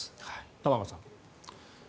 玉川さん。